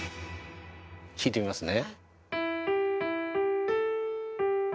弾いてみますね。